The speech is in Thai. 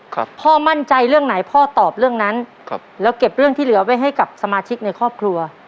พ่อมั่นใจเรื่องไหนพ่อตอบเรื่องนั้นครับแล้วเก็บเรื่องที่เหลือไว้ให้กับสมาชิกในครอบครัว